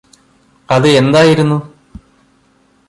അത് എന്തായിരുന്നു